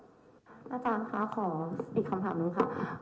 อาจารย์คะขออีกคำถามหนึ่งค่ะ